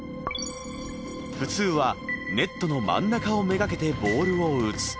普通はネットの真ん中を目がけてボールを打つ。